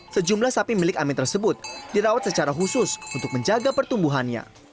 sejumlah sapi milik amin tersebut dirawat secara khusus untuk menjaga pertumbuhannya